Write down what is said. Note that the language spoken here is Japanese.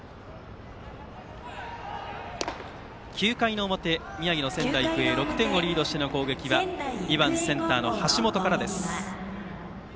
９回の表、宮城の仙台育英６点をリードしての攻撃は２番センターの橋本からです。